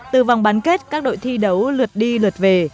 từ vòng bán kết các đội thi đấu lượt đi lượt về